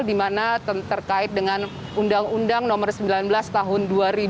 di mana terkait dengan undang undang nomor sembilan belas tahun dua ribu dua